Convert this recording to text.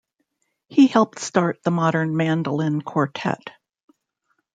He helped start the Modern Mandolin Quartet.